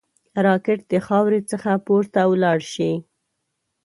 راکټ د خاورې څخه پورته ولاړ شي